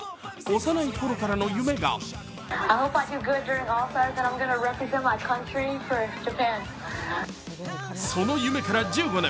幼いころからの夢がその夢から１５年。